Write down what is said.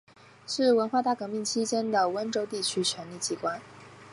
是文化大革命期间的温州地区权力机关。